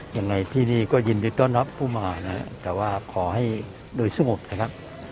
ยังไงที่นี่ก็ยินดีต้อนรับผู้มานะครับแต่ว่าขอให้โดยสงบนะครับ